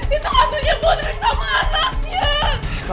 itu antunya putri sama anaknya